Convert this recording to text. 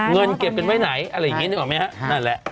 เงินเก็บเป็นไว้ไหนอะไรอย่างนี้ออกไหมครับนั่นแหละ